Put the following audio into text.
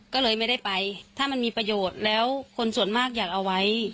ก็เลยไม่ได้ไปถ้ามันมีประโยชน์แล้วคนส่วนมากอยากเอาไว้